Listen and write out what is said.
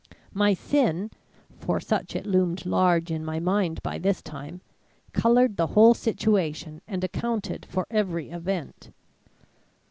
My sin (for such it loomed large in my mind by this time) coloured the whole situation and accounted for every event.